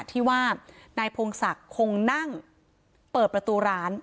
ที่ว่านายพงศักดิ์คงนั่งเปิดประตูร้าน